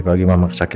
kalau aku nggak pakai